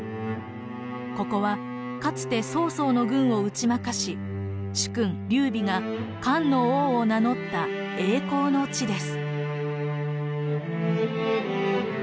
ここはかつて曹操の軍を打ち負かし主君劉備が「漢の王」を名乗った栄光の地です。